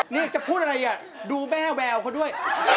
นี่จะพูดอะไรดูแม่แววเขาด้วย